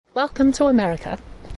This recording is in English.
Welcome to America.